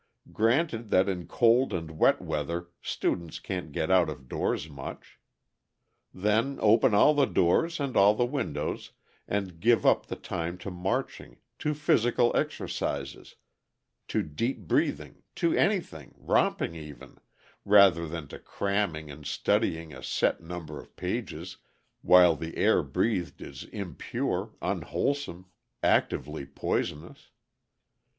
Granted that in cold and wet weather students can't get out of doors much. Then open all the doors and all the windows and give up the time to marching, to physical exercises, to deep breathing, to anything, romping even, rather than to cramming and studying a set number of pages, while the air breathed is impure, unwholesome, actively poisonous.